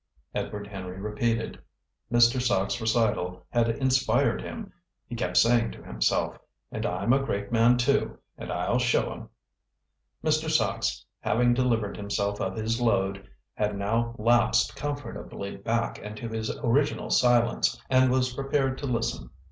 Edward Henry repeated. Mr. Sachs' recital had inspired him. He kept saying to himself: "And I'm a great man too. And I'll show 'em." Mr. Sachs, having delivered himself of his load, had now lapsed comfortably back into his original silence, and was prepared to listen.